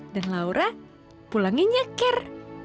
dan laura pulangnya nyeker